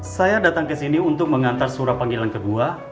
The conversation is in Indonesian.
saya datang kesini untuk mengantar surat panggilan kedua